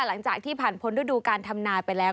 หลังจากที่ผ่านพ้นฤดูการทำนาไปแล้ว